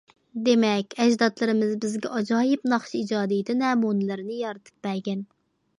دېمەك، ئەجدادلىرىمىز بىزگە ئاجايىپ ناخشا ئىجادىيىتى نەمۇنىلىرىنى يارىتىپ بەرگەن.